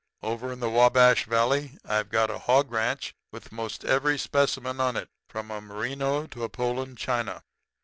Over in the Wabash Valley I've got a hog ranch with most every specimen on it, from a Merino to a Poland China.